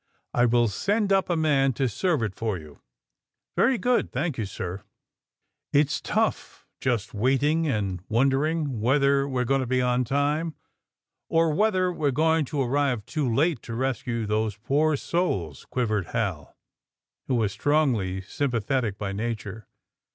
I will send up a man to serve it for you." ^^Very good. Thank you, sir." It's tough, just waiting and wondering whether we are going to be on time, or whether we are going to arrive too late to rescue those poor souls," quivered Hal, who was strongly sympathetic by nature.